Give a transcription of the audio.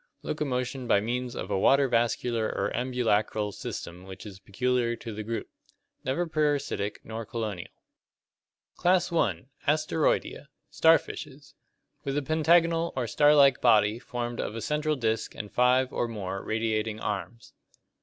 Locomotion by means of a water vascular or ambulacral (Lat. ambulac rum, walk) system which is peculiar to the group. Never parasitic nor colonial. Class I. Asteroidea (Gr. donyp, star, and ctSos, form). Starfishes. With a pentagonal or star like body formed of a central disc and five (or more) radiating arms.